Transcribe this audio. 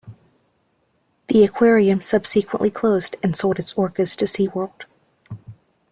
The aquarium subsequently closed and sold its orcas to SeaWorld.